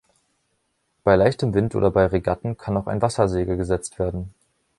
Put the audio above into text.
Bei leichtem Wind oder bei Regatten kann auch ein Wassersegel gesetzt werden.